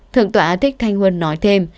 thượng tòa thích thanh huân nói thêm